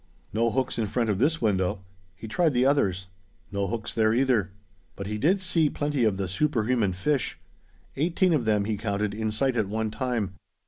No hooks in front of this window. He tried the others. No hooks there, either. But he did see plenty of the superhuman fish. Eighteen of them, he counted, in sight at one time.